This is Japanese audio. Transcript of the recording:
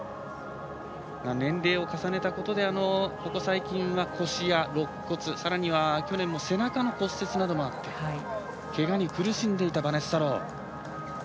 年齢を重ねたことでここ最近は腰やろっ骨、さらには去年は背中の骨折などもあってけがに苦しんでいたバネッサ・ロー。